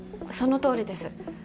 そのとおりです。